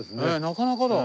なかなかだ。